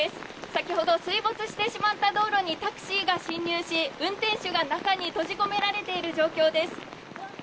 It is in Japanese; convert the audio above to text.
先ほど、水没してしまった道路にタクシーが進入し運転手が中に閉じ込められている状況です。